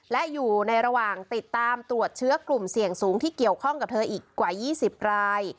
และอยู่ในระหว่างติดตามตรวจเชื้อกลุ่มเสี่ยงสูงที่เกี่ยวข้องกับเธออีกกว่า๒๐ราย